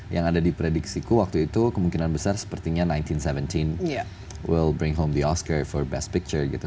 yang ada di prediksiku waktu itu kemungkinan besar sepertinya seribu sembilan ratus tujuh belas akan membawa oscar untuk best picture gitu